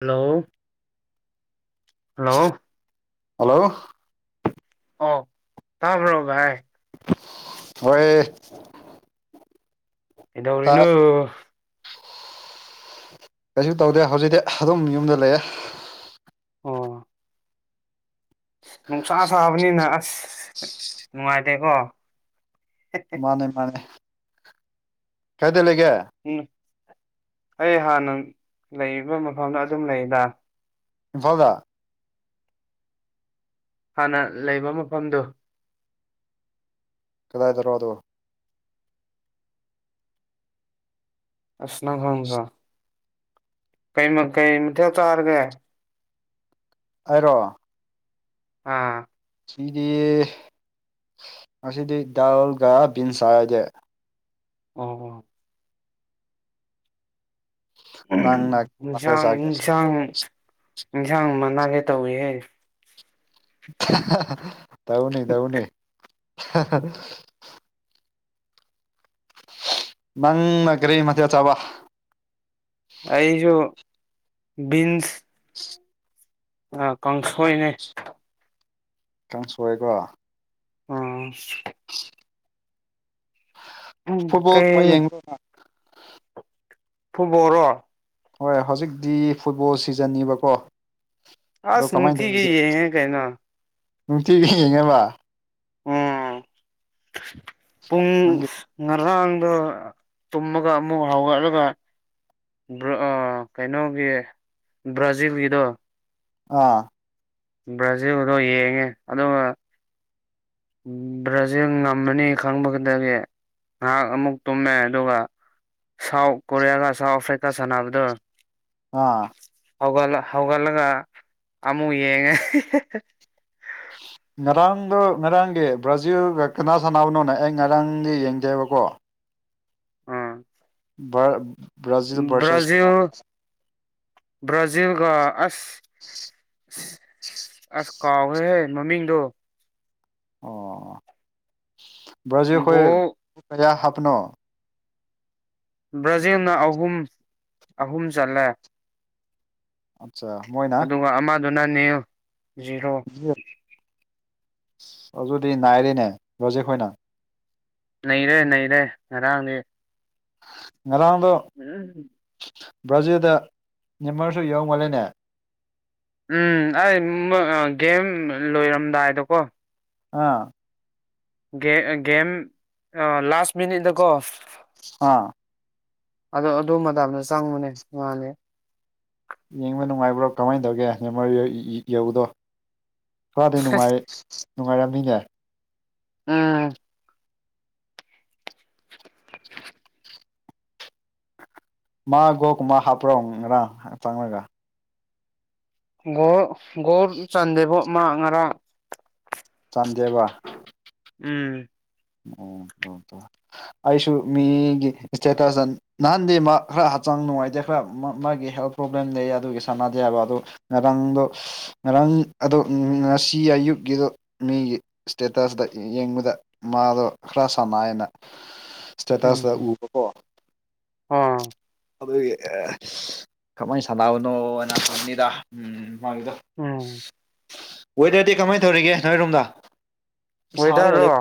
Hello hello hello ꯑꯣ ꯇꯕ꯭ꯔꯣ ꯚꯥꯏ ꯍꯣꯏꯌꯦ ꯇꯥꯏ ꯀꯩꯗꯧꯔꯤꯅꯣ? ꯀꯩꯁꯨ ꯇꯧꯗꯦ ꯍꯧꯖꯤꯛꯇꯤ ꯑꯗꯨꯝ ꯌꯨꯝꯗ ꯂꯩꯌꯦ ꯑꯣ ꯅꯨꯡꯁꯥ ꯁꯥꯕꯅꯤꯅ ꯑꯁ ꯅꯨꯡꯉꯥꯏꯇꯦꯀꯣ꯫ ꯃꯥꯅꯦ ꯃꯥꯅꯦ ꯀꯥꯏꯗ ꯂꯩꯒꯦ? ꯎꯝ ꯑꯩ ꯍꯥꯟꯅ ꯂꯩꯕ ꯃꯐꯝꯗ ꯑꯗꯨꯝ ꯂꯩꯗ꯫ ꯏꯝꯐꯥꯜꯗ? ꯍꯥꯟꯅ ꯂꯩꯕ ꯃꯐꯝꯗꯣ꯫ ꯀꯗꯥꯏꯗꯔꯣꯗꯣ꯫ ꯑꯁ ꯅꯪ ꯈꯪꯗꯔ꯭꯫ ꯀꯩ ꯃ ꯀꯩ ꯃꯊꯦꯜ ꯆꯥꯔꯒꯦ? ꯑꯩꯔꯣ? ꯑꯥ꯫ ꯁꯤꯗꯤ ꯉꯁꯤꯗꯤ ꯗꯥꯜꯒ ꯕꯤꯟꯁ ꯆꯥꯏ ꯑꯩꯗꯤ꯫ ꯑꯣ ꯑꯣ꯫ ꯅꯪꯅ ꯀꯩ ꯃꯊꯦꯜ ꯏꯟꯖꯥꯡ ꯆꯥꯒꯦ ꯏꯟꯖꯥꯡ ꯏꯟꯁꯥꯡ ꯃꯅꯥꯒꯦ ꯇꯧꯋꯤꯍꯦ꯫ ꯇꯧꯅꯤ ꯇꯧꯅꯤ꯫ ꯅꯪꯅ ꯀꯔꯤ ꯃꯊꯦꯜ ꯆꯥꯕ꯫ ꯑꯩꯖꯨ ꯕꯤꯟꯁ꯫ ꯑ ꯀꯥꯡꯁꯣꯏꯅꯦ꯫ ꯀꯥꯡꯁꯣꯏꯔꯣ꯫ ꯑꯥ꯫ ꯐꯨꯠꯕꯣꯜ ꯀꯩ ꯒ ꯌꯦꯡꯕꯔ꯫ ꯐꯨꯠꯕꯣꯜꯔꯣ꯫ ꯍꯣꯏ ꯍꯧꯖꯤꯛꯇꯤ ꯐꯨꯠꯕꯣꯜ ꯁꯤꯖꯟꯅꯤꯕꯀꯣ꯫ ꯑꯗꯣ ꯑꯁ ꯀꯃꯥꯏꯅ ꯅꯨꯡꯇꯤꯒꯤ ꯇꯧꯔꯤꯒꯦ ꯌꯦꯡꯉꯦ ꯀꯩꯅꯣ꯫ ꯅꯨꯡꯇꯤꯒꯤ ꯌꯦꯡꯉꯦꯕ꯫ ꯎꯝ ꯄꯨꯡ ꯅꯪꯒꯤ ꯉꯔꯥꯡꯗꯣ ꯇꯨꯝꯃꯒ ꯑꯃꯨꯛ ꯍꯧꯒꯠꯂꯒ ꯕ꯭ꯔꯥ ꯀꯩꯅꯣꯒꯤ ꯕ꯭ꯔꯥꯖꯤꯜꯒꯤꯗꯣ ꯑꯥ꯫ ꯕ꯭ꯔꯥꯖꯤꯜꯔꯣ ꯌꯦꯡꯉꯦ ꯑꯗꯨꯒ ꯕ꯭ꯔꯥꯖꯤꯜ ꯉꯝꯃꯅꯤ ꯈꯪꯕꯒꯗꯒꯤ ꯉꯥꯏꯍꯥꯛ ꯑꯃꯨꯛ ꯇꯨꯝꯃꯦ ꯑꯗꯨꯒ ꯁꯥꯎꯠ ꯀꯣꯔꯤꯌꯥꯒ ꯁꯥꯎꯠ ꯑꯐ꯭ꯔꯤꯀꯥ ꯁꯥꯟꯅꯕꯗꯣ ꯑꯥ꯫ ꯍꯧꯒꯠꯂ ꯍꯧꯒꯠꯂꯒ ꯑꯃꯨꯛ ꯌꯦꯡꯉꯦ꯫ [unintelligible] ꯉꯔꯥꯡꯗꯣ ꯉꯔꯥꯡꯒꯤ ꯕ꯭ꯔꯥꯖꯤꯜꯒ ꯀꯅꯥ ꯁꯥꯟꯅꯕꯅꯣꯅꯦ ꯑꯩ ꯉꯔꯥꯡꯗꯤ ꯌꯦꯡꯗꯦꯕꯀꯣ꯫ ꯑꯥ꯫ ꯕꯥ ꯕꯔꯖꯤꯜ ꯕꯔꯁꯦꯁ ꯕ꯭ꯔꯥꯖꯤꯜ [unintelligible] ꯕ꯭ꯔꯥꯖꯤꯜꯒ ꯑꯁ ꯑꯁ ꯀꯥꯎꯒꯔꯦꯍꯦ ꯃꯃꯤꯡꯗꯣ꯫ ꯑꯣ ꯕ꯭ꯔꯥꯖꯤꯜ ꯈꯣꯏ ꯒꯣꯜ ꯀꯌꯥ ꯍꯥꯞꯄꯅꯣ꯫ ꯕ꯭ꯔꯥꯖꯤꯜꯅ ꯑꯍꯨꯝ ꯑꯍꯨꯝ ꯆꯜꯂꯦ꯫ ꯑꯠꯆꯥ ꯃꯣꯏ ꯑꯗꯨꯒ ꯑꯃꯗꯨꯅ ꯅꯤꯜ ꯖꯤꯔꯣ꯫ [unintelligible] ꯑꯗꯨꯗꯤ ꯅꯥꯏꯔꯦꯅꯦ ꯕꯔ꯭ꯥꯖꯤꯜ ꯈꯣꯏꯅ꯫ ꯅꯩꯔꯦ ꯅꯩꯔꯦ ꯉꯔꯥꯡꯗꯤ꯫ ꯉꯔꯥꯡꯗꯣ ꯎꯝ꯫ ꯕ꯭ꯔꯥꯖꯤꯜꯗ ꯅꯦꯃꯥꯔꯖꯨ ꯌꯥꯎꯃꯥꯜꯂꯦꯅꯦ꯫ ꯎꯝ ꯑꯩ ꯎꯝ ꯒꯦꯝ ꯂꯣꯏꯔꯝꯗꯥꯏꯗꯀꯣ꯫ ꯑꯥ ꯒꯦ ꯒꯦꯝ ꯑ ꯂꯥꯁ ꯃꯤꯅꯤꯠꯗꯀꯣ ꯑꯥ ꯑꯗꯣ ꯑꯗꯨ ꯃꯇꯝꯗ ꯆꯪꯕꯅꯦ ꯃꯥꯅꯦ ꯌꯦꯡꯕ ꯅꯨꯡꯉꯥꯏꯕ꯭ꯔꯣ ꯀꯃꯥꯏꯅ ꯇꯧꯒꯦ [inaudible] ꯃꯥꯗꯩ ꯅꯨꯡꯉꯥꯏ ꯅꯨꯡꯉꯥꯏꯔꯝꯃꯤꯅꯦ ꯎꯝ ꯃꯥ ꯒꯣꯀꯨꯝꯃ ꯍꯥꯞꯄ꯭ꯔꯣ ꯉꯔꯥꯡ ꯆꯪꯉꯒ ꯒꯣꯜ ꯒ‌ꯣꯜ ꯆꯥꯟꯗꯦꯕꯨ ꯃꯥ ꯉꯔꯥꯡ ꯆꯥꯟꯗꯦꯕ ꯎꯝ ꯑꯣ ꯇꯣ ꯇꯣ ꯑꯩꯁꯨ ꯃꯤꯒꯤ ꯏꯁꯇꯦꯇꯁꯇ ꯅꯍꯥꯟꯗꯤ ꯃꯥ ꯈꯔ ꯍꯛꯆꯥꯡ ꯅꯨꯡꯉꯥꯏꯇꯦ ꯈꯔ ꯃꯥꯒꯤ ꯍꯦꯜꯞ ꯄ꯭ꯔꯣꯕ꯭ꯂꯦꯝ ꯂꯩ ꯑꯗꯨꯒꯤ ꯁꯥꯟꯅꯗꯦ ꯍꯥꯏꯕ ꯑꯗꯣ ꯉꯔꯥꯡꯗꯣ ꯉꯔꯥꯡ ꯑꯗꯣ ꯉꯁꯤ ꯑꯌꯨꯛꯀꯤꯗꯣ ꯃꯤꯒꯤ ꯏꯁꯇꯦꯇꯁꯇ ꯌꯦꯡꯕꯗ ꯃꯥꯗꯣ ꯈꯔ ꯁꯥꯟꯅꯥꯏꯅ ꯏꯁꯇꯦꯇꯁꯇ ꯎꯝ ꯎꯕꯀꯣ ꯑꯣ ꯑꯗꯨꯒꯤ ꯀꯃꯥꯏꯅ ꯁꯥꯟꯅꯕꯅꯣꯅ ꯈꯪꯅꯤꯗ ꯎꯝ ꯃꯥꯒꯤꯗ ꯎꯝ ꯋꯦꯗꯔꯗꯤ ꯀꯃꯥꯏꯅ ꯇꯧꯔꯤꯒꯦ ꯅꯣꯏꯔꯣꯝꯗ ꯁꯥꯔꯒ ꯂꯩ ꯋ‌ꯦꯗꯔꯔꯣ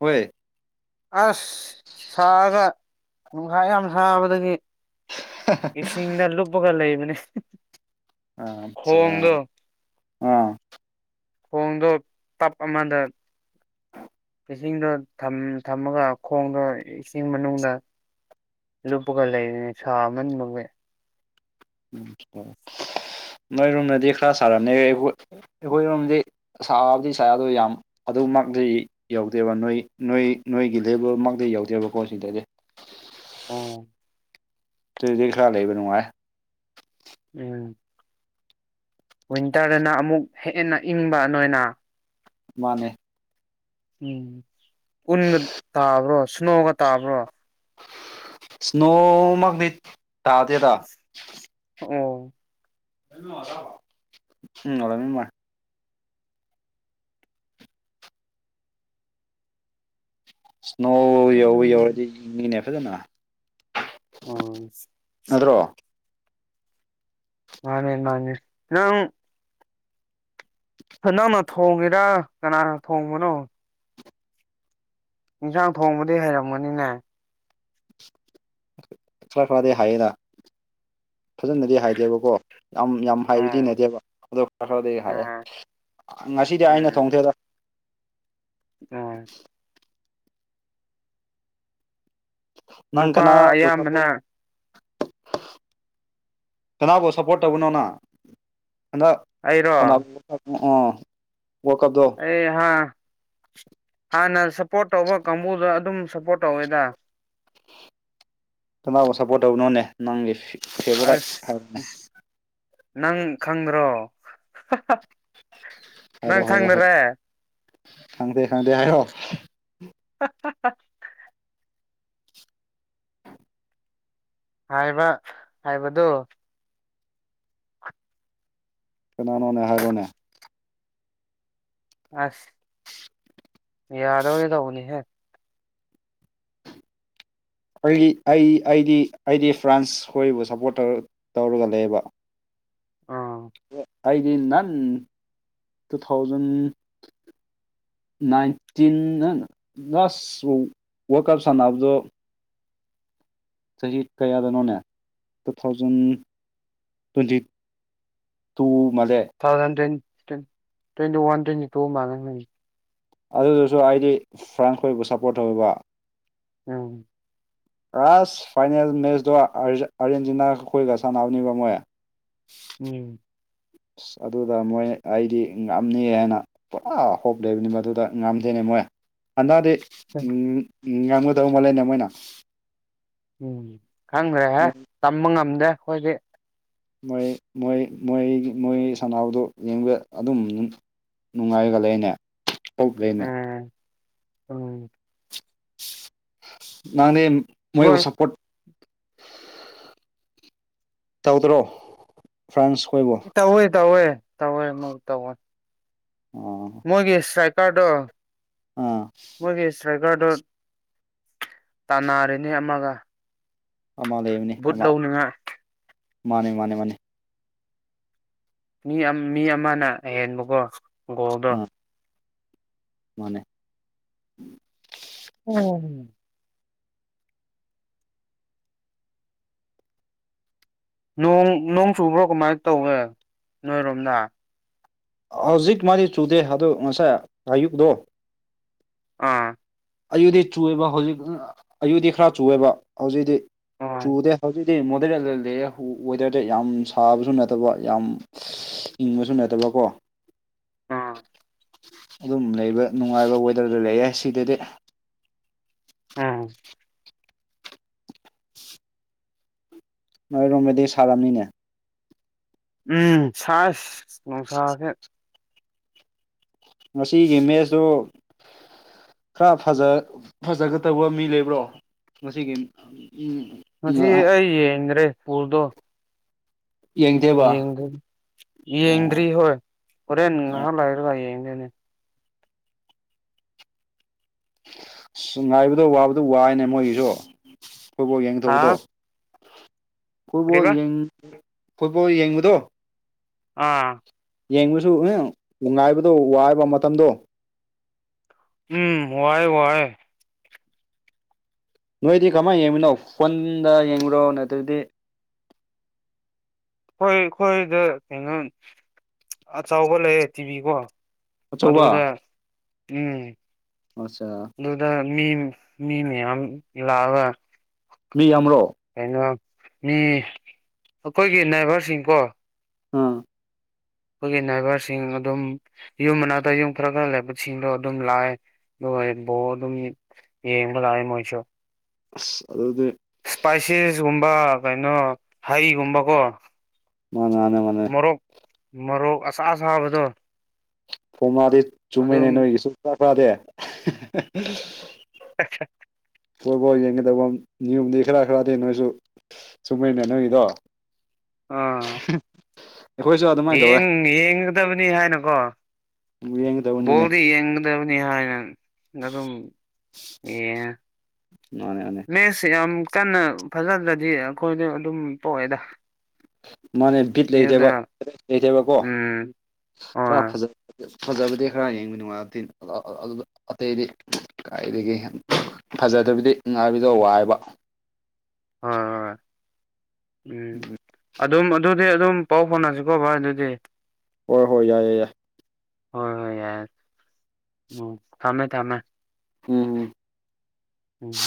ꯍꯣꯏ ꯑꯁ ꯁꯥꯔꯒ ꯅꯨꯡꯁꯥ ꯌꯥꯝ ꯁꯥꯕꯗꯒꯤ ꯏꯁꯤꯡꯗ ꯂꯨꯞꯄꯒ ꯂꯩꯕꯅꯤ ꯑ ꯑꯆꯥ ꯑꯥ ꯈꯣꯡꯗꯣ ꯇꯞ ꯑꯃꯗ ꯏꯁꯤꯡꯗꯣ ꯊꯝꯃꯒ ꯈꯣꯡꯗꯣ ꯏꯁꯤꯡ ꯃꯅꯨꯡꯗ ꯂꯨꯞꯄꯒ ꯂꯩꯔꯤꯅꯦ ꯁꯥꯃꯟꯕꯒꯤ ꯎꯝ ꯅꯣꯏ ꯔꯨꯝꯗꯗꯤ ꯈꯔ ꯁꯥꯔꯝꯅꯦ ꯑꯩꯈꯣꯏ ꯔꯨꯝꯗꯤ ꯁꯥꯥꯕꯨꯗꯤ ꯁꯥꯏ ꯗ‌ꯣ ꯌꯥꯝ ꯑꯗꯨ ꯃꯇꯤ ꯌꯧꯗꯦꯕ ꯅꯣꯏ ꯅꯣꯏ ꯅꯣꯏꯒꯤ ꯂꯦꯕꯔ ꯃꯛꯇ ꯌꯥꯎꯗꯦꯕꯀꯣ ꯁꯤꯗꯗꯤ ꯑꯣ ꯑꯗꯨꯗꯤ ꯈꯔ ꯂꯩꯕ ꯅꯨꯡꯉꯥꯏ ꯎꯝ ꯋꯤꯟꯇꯔꯗꯅ ꯑꯃꯨꯛ ꯍꯦꯟꯅ ꯏꯪꯕ ꯅꯣꯏꯅ ꯃꯥꯅꯦ ꯎꯝ ꯎꯟꯒ ꯇꯥꯕ꯭ꯔꯣ ꯁ꯭ꯅꯣꯒ ꯇꯥꯕ꯭ꯔꯣ ꯁ꯭ꯅꯣ ꯃꯛꯗꯤ ꯊꯥꯗꯦꯗ ꯑꯣ [unintelligible] ꯏꯁ꯭ꯅꯣ ꯌꯧꯕ ꯌꯧꯔꯗꯤ ꯏꯅꯤꯅꯦ ꯐꯖꯅ ꯎꯝ ꯅꯠꯇ꯭ꯔꯣ ꯃꯥꯅꯦ ꯃꯥꯅꯦ ꯅꯪ ꯅꯪꯅ ꯊꯣꯡꯉꯤꯔ ꯀꯅꯥꯅ ꯊꯣꯡꯕꯅꯣ ꯏꯟꯁꯥꯡ ꯊꯣꯡꯕꯗꯤ ꯍꯩꯔꯝꯒꯅꯤꯅꯦ ꯈ꯭ꯔꯥ ꯈ꯭ꯔꯗꯤ ꯍꯩꯌꯦꯗ ꯐꯖꯅꯗꯤ ꯍꯥꯏꯗꯦꯕꯀꯣ ꯌꯥꯝ ꯌꯥꯝ ꯍꯥꯏꯕꯗꯤ ꯑꯣ ꯅꯗꯦꯕ ꯑꯗꯣ ꯈꯔ ꯈꯔꯗꯤ ꯍꯥꯏꯌꯦ ꯎꯝ ꯉꯁꯤꯗꯤ ꯑꯩꯅ ꯎꯝ ꯊꯣꯡꯗꯦꯗ ꯑꯣ ꯅꯪ ꯅꯨꯄꯥ ꯀꯅꯥ ꯕ‌ꯣꯜ ꯑꯌꯥꯝꯕꯅ ꯁꯄ‌ꯣꯔꯠ ꯀꯅꯥ ꯕ‌ꯣꯜ ꯁꯞꯄꯣꯔꯠ ꯇꯧꯕꯅꯣꯅ ꯍꯟꯗꯛ ꯑꯩꯔꯣ ꯁꯅꯕ ꯋꯥꯔꯜ ꯀꯞꯗꯣ ꯑꯩ ꯍꯥꯟꯅ ꯁꯞꯄꯣꯔꯠ ꯇꯧꯕ ꯀꯥꯡꯕꯨꯗ ꯑꯗꯨꯝ ꯁꯞꯄꯣꯔꯠ ꯇꯧꯋꯦꯗ ꯀꯅꯥꯕꯨ ꯁꯄꯣꯔꯠ ꯇꯧꯕꯅꯣꯅꯦ ꯅꯪꯒꯤ ꯐꯦꯚꯣꯔꯥꯏꯠ ꯑꯁ ꯍꯥꯏꯔꯣꯅꯦ ꯅꯪ ꯈꯪꯗ꯭ꯔꯣ ꯍꯥꯏꯔꯣ ꯅꯪ ꯍꯥꯏꯔꯣ ꯍꯥꯏꯔꯣ ꯈꯪꯗꯔꯦ ꯈꯪꯗꯦ- ꯈꯪꯗꯦ ꯍꯥꯏꯔꯣ ꯍꯥꯏꯕ ꯍꯥꯏꯕꯗꯨ ꯀꯅꯥꯅꯣꯅꯦ ꯍꯥꯏꯔꯣꯅꯦ ꯑꯁ ꯌꯥꯗꯧꯒꯒꯤ ꯇꯧꯕꯅꯤ ꯍꯦ ꯑꯩꯒꯤ ꯑꯩ ꯑꯩꯗꯤ ꯑꯩꯗꯤ ꯐ꯭ꯔꯥꯟꯁ ꯈꯣꯏꯕꯨ ꯁꯞꯄꯣꯔꯠ ꯇꯧꯔꯒ ꯂꯩꯕ ꯑꯥ ꯑꯩꯗꯤ ꯅꯥꯟ ꯇꯨ ꯊꯥꯎꯖꯟ ꯅꯥꯏꯟꯇꯤꯟ ꯂꯥꯁ ꯋꯥꯔꯜ ꯀꯞ ꯁꯥꯟꯅꯕꯗꯣ ꯆꯍꯤ ꯀꯌꯥꯗꯅꯣꯅꯦ ꯇꯨ ꯊꯥꯎꯖꯟ ꯇ꯭ꯋꯦꯟꯇꯤ ꯇꯨ ꯃꯂꯦ ꯊꯥꯎꯖꯟ ꯇ꯭ꯋꯦꯟ ꯇ ꯇ꯭ꯋꯦꯟꯇꯤ ꯋꯥꯟ ꯇ꯭ꯋꯦꯟꯇꯤ ꯇꯨ ꯃꯥꯜꯂꯦꯅꯦ ꯑꯗꯨꯗꯨꯁꯨ ꯑꯩꯗꯤ ꯐ꯭ꯔꯥꯟ ꯈꯣꯏꯕꯨ ꯁꯞꯄꯣꯔꯠ ꯇꯧꯋꯦꯕ ꯎꯝ ꯑꯁ ꯐꯥꯏꯅꯦꯜ ꯃꯦꯠꯆꯇꯣ ꯑꯥꯔꯖꯦꯟꯇꯤꯅꯥꯒ ꯑꯩꯈꯣꯏꯒ ꯁꯥꯟꯅꯕꯅꯤꯕ ꯃꯣꯏ ꯎꯝ ꯑꯁ ꯑꯗꯨꯗ ꯃꯣꯏ ꯑꯩꯗꯤ ꯉꯝꯅꯤ ꯍꯥꯏꯅ ꯄꯨꯔꯥ ꯍꯣꯞꯂꯩꯕꯅꯤ ꯃꯗꯨꯗ ꯉꯝꯗꯦꯅꯦ ꯃꯣꯏ ꯍꯟꯗꯗꯤ ꯎꯝ ꯎꯝ ꯉꯝꯒꯗꯧꯕ ꯃꯥꯜꯂꯦꯅꯦ ꯃꯣꯏꯅ ꯎꯝ ꯈꯪꯗ꯭ꯔꯦꯍꯦ ꯃꯣꯏ ꯇꯝꯕ ꯉꯝꯗꯦ ꯑꯩꯈꯣꯏꯗꯤ ꯃꯣꯏ- ꯃꯣꯏ- ꯃꯣꯏ -ꯃꯣꯏ ꯁꯅꯥꯕꯗꯨ ꯌꯦꯡꯕ ꯑꯗꯨꯝ ꯅꯨꯡꯉꯥꯏꯒ ꯂꯩꯅꯦ ꯇꯣꯛ ꯈ꯭ꯔꯦꯅꯦ ꯎꯝ ꯎꯝ ꯅꯪꯗꯤ ꯃꯣꯏꯕꯨ ꯃꯣꯏ ꯁꯄꯣꯔꯠ ꯇꯧꯗ꯭ꯔꯣ ꯐ꯭ꯔꯥꯟꯁ ꯈꯣꯏꯕꯨ ꯇꯧꯋꯦ ꯇꯧꯋꯦ ꯇꯧꯋꯦ ꯑꯃꯨ ꯇꯧꯋꯦ ꯎꯝ ꯃꯣꯏꯒꯤ ꯏꯁꯇ꯭ꯔꯥꯏꯀꯔꯗꯣ ꯑꯥ ꯃꯣꯏꯒꯤ ꯏꯁꯇ꯭ꯔꯥꯏꯀꯔꯗꯣ ꯇꯥꯟꯅꯔꯦꯅꯦ ꯑꯃꯒ ꯑꯃ ꯂꯩꯕꯅꯤ ꯚꯨꯠ ꯑꯃ ꯂꯧꯅꯤꯡꯉꯥꯏ ꯃꯥꯅꯦ- ꯃꯥꯅꯦ -ꯃꯥꯅꯦ ꯃꯤ ꯃꯤ ꯑꯃꯅ ꯍꯦꯟꯕꯀꯣ ꯒꯣꯜꯗꯣ ꯃꯅꯦ ꯑꯣ ꯅꯣꯡ -ꯅꯣꯡ ꯆꯨꯕ꯭ꯔꯣ ꯀꯃꯥꯏꯅ ꯇꯧꯋꯦ ꯅꯣꯏꯔꯣꯝꯗ ꯍꯧꯖꯤꯛ ꯃꯥꯗꯤ ꯆꯨꯗꯦ ꯑꯗꯨ ꯉꯁꯥꯏ ꯑꯌꯨꯛꯇꯣ ꯑꯥ ꯑꯌꯨꯗꯤ ꯆꯨꯌꯦꯕ ꯍꯧꯖꯤꯛ ꯑꯌꯨꯗꯤ ꯈꯔ ꯆꯨꯑꯦꯕ ꯍꯧꯖꯤꯛꯗꯤ ꯑꯣ ꯆꯨꯗꯦ ꯍꯧꯖꯤꯛ ꯁꯤ ꯃꯣꯗꯔ ꯂꯩꯌꯦ ꯋꯦꯗꯔꯗ ꯌꯥꯝ ꯁꯥꯕꯁꯨ ꯅꯠꯇꯕ ꯌꯥꯝ ꯏꯪꯕꯁꯨ ꯅꯠꯇꯕ ꯀꯣ ꯑꯥ ꯑꯗꯨꯝ ꯂꯩꯕ ꯅꯨꯡꯉꯥꯏꯕ ꯋꯦꯗꯔꯗ ꯂꯩꯌꯦ ꯁꯤꯗꯗꯤ ꯎꯝ ꯅꯣꯏꯔꯣꯝꯗꯗꯤ ꯁꯥꯔꯝꯅꯤꯅꯦ ꯎꯝ ꯁꯥꯏ ꯅꯨꯡꯁꯥꯁ‌ꯦ ꯉꯁꯤꯒꯤ ꯃꯦꯁꯇꯨ ꯈꯔ ꯐꯖ ꯐꯖꯒꯗꯧꯕ ꯃꯤ ꯂꯩꯕ꯭ꯔꯣ ꯉꯁꯤꯒꯤ ꯉꯁꯤ ꯑꯩ ꯌꯦꯡꯗ꯭ꯔꯦ ꯕ‌ꯣꯜꯗꯣ ꯌꯦꯡꯗꯦꯕ ꯌꯦꯡꯗ꯭ꯔꯤ ꯍꯣꯏ ꯍꯣꯔꯦꯟ ꯉꯥꯏꯍꯥꯛ ꯂꯥꯏꯔꯒ ꯌꯦꯡꯗꯣꯏꯅꯦ ꯑꯁ ꯉꯥꯏꯕꯗꯣ ꯋꯥꯕꯗꯣ ꯋꯥꯏꯅꯦ ꯃꯣꯏꯒꯤꯁꯨ ꯐꯨꯠꯕꯣꯜ ꯌꯦꯡ ꯍꯥ ꯗꯧꯕꯗꯣ ꯐꯨꯠꯕꯣꯜ ꯀꯔꯤꯕ ꯌꯦꯡ ꯐꯨꯠꯕꯣꯜ ꯌꯦꯡꯕꯗꯣ ꯑꯥ ꯌꯦꯡꯕꯁꯨ ꯑꯦ ꯉꯥꯏꯕꯗꯣ ꯋꯥꯕ ꯃꯇꯝꯗꯣ ꯎꯝ ꯋꯥꯌꯦ ꯋꯥꯌꯦ ꯅꯣꯏꯗꯤ ꯀꯃꯥꯏꯅ ꯌꯦꯡꯃꯤꯅꯣ ꯐꯣꯟꯗ ꯌꯦꯡꯕꯔꯣ ꯅꯠꯇ꯭ꯔꯗꯤ ꯑꯩꯈꯣꯏ ꯑꯩꯈꯣꯏꯗ ꯀꯩꯅꯣ ꯑꯆꯧꯕ ꯂꯩꯌꯦ ꯇꯤꯚꯤ ꯀꯣ ꯑꯆꯧꯕ ꯑꯗꯨꯗ ꯎꯝ ꯑꯆꯥ ꯑꯗꯨꯗ ꯃꯤ ꯃꯤ ꯃꯌꯥꯝ ꯂꯥꯛꯑꯒ ꯃꯤ ꯌꯥꯝꯕ꯭ꯔ‌ꯣ ꯀꯩꯅꯣ ꯃꯤ ꯑꯩꯈꯣꯏꯒꯤ ꯅꯥꯒꯁꯤꯡꯀꯣ ꯑꯥ ꯑꯩꯈꯣꯏꯒꯤ ꯅꯥꯏꯕꯔꯁꯤꯡ ꯑꯗꯨꯝ ꯌꯨꯝ ꯃꯅꯥꯛꯇ ꯌꯨꯝ ꯈꯔ- ꯈꯔ ꯂꯩꯕꯁꯤꯡꯗꯣ ꯑꯗꯨꯝ ꯂꯥꯛꯑꯦ ꯑꯗꯨꯝ ꯌꯦꯡꯕ ꯂꯥꯛꯑ ꯃꯣꯏꯁꯨ ꯑꯁ ꯑꯗꯨꯗꯤ ꯏꯁꯄꯥꯏꯁꯦꯁꯒꯨꯝꯕ ꯀꯩꯅꯣ ꯍꯩꯒꯨꯝꯕꯀꯣ [unintelligible] ꯃꯣꯔꯣꯛ ꯃꯣꯔꯣꯛ ꯑꯁꯥ ꯑꯁꯥꯕꯗꯣ ꯐꯧꯅꯥꯗꯤ ꯆꯨꯝꯃꯦꯅꯦ ꯑꯗꯨꯝ ꯅꯣꯏꯒꯤ ꯈꯔꯥ ꯈꯔꯥꯗꯤ [unintelligible] ꯐꯨꯠꯕꯣꯜ ꯌꯦꯡꯒꯗꯕ ꯅꯤꯌꯣꯝꯗꯤ ꯈꯔ ꯈꯔꯗꯤ ꯅꯣꯏꯁꯨ ꯆꯨꯝꯃꯦꯅꯦ ꯅꯣꯏꯗꯣ ꯑꯥ [unintelligible] ꯇꯧꯋꯦ ꯌꯦꯡ ꯌꯦꯡꯒꯗꯕꯅꯤ ꯍꯥꯏꯅꯀꯣ [unintelligible] ꯕꯣꯜꯗꯤ ꯌꯦꯡꯒꯗꯕꯅꯤ ꯍꯥꯏꯅ ꯑꯗꯨꯝ ꯌꯦꯡꯉꯦ ꯃꯥꯅꯦ ꯃꯥꯅꯦ ꯃꯦꯁ ꯌꯥꯝ ꯀꯟꯅ ꯐꯖꯗ꯭ꯔꯗꯤ ꯑꯩꯈꯣꯏꯗ ꯑꯗꯨꯝ ꯇ‌ꯣꯛꯑꯦꯗ ꯃꯥꯅꯦ ꯕꯤꯠ ꯂꯩꯇꯦꯕ ꯂꯩꯇꯦꯕꯀꯣ ꯎꯝ ꯈꯔ ꯍꯣꯏ ꯐꯖ ꯐꯖꯕꯗꯤ ꯈꯔ ꯌꯦꯡꯕ ꯅꯨꯡꯉꯥꯏꯔ ꯑꯇꯩꯗꯤ ꯑꯗꯨ ꯑꯇꯩꯗꯤ ꯀꯥꯏꯗꯒꯤ ꯐꯖꯗꯕꯤꯗꯤ ꯉꯥꯏꯕꯗꯣ ꯋꯥꯏꯌꯦꯕ ꯍꯣꯏ ꯍꯣꯏ ꯎꯝ ꯑꯗꯨꯝ ꯑꯗꯨꯗꯤ ꯑꯗꯨꯝ ꯄꯥꯎ ꯐꯥꯎꯅꯁꯤꯀꯣ ꯚꯥꯏ ꯑꯗꯨꯗꯤ ꯍꯣꯏ ꯍꯣꯏ ꯌꯥꯏ ꯌꯥꯏ ꯍꯣꯏ ꯍꯣꯏ ꯌꯥꯏ ꯎꯝ ꯊꯝꯃꯦ ꯊꯝꯃꯦ ꯎꯝ ꯎꯝ